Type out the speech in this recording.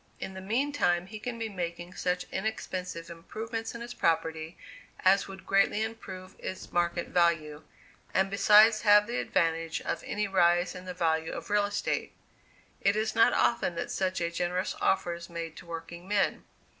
In the mean time, he can be making such inexpensive improvements in his property as would greatly improve its market value, and besides have the advantage of any rise in the value of real estate. It is not often that such a generous offer is made to working men.